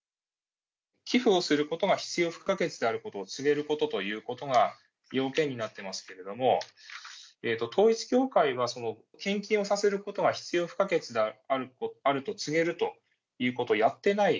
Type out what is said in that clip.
寄付をすることが必要不可欠であることを告げることということが要件になっていますけれども、統一教会は、献金をさせることが必要不可欠であると告げるということをやってない。